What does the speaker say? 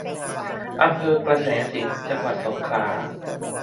อำเภอกระแสสินธุ์ จังหวัดสงขลา